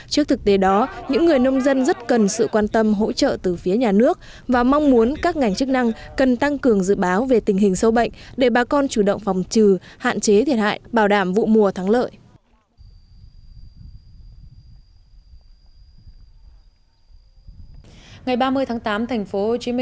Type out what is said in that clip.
trước thực tế đó những người nông dân rất cần sự quan tâm hỗ trợ từ phía nhà nước và mong muốn các ngành chức năng cần tăng cường dự báo về tình hình sâu bệnh để bà con chủ động phòng trừ hạn chế thiệt hại bảo đảm vụ mùa thắng lợi